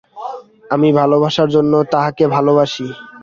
আমি ভালবাসার জন্য তাঁহাকে ভালবাসি।